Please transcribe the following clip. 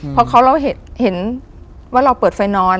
เพราะเราเห็นว่าเราเปิดไฟนอน